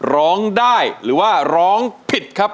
ร้องได้หรือว่าร้องผิดครับ